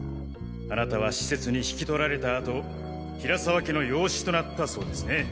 あなたは施設に引き取られた後平沢家の養子となったそうですね。